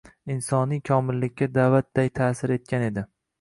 insoniy komillikka da’vatday ta’sir etgan edi.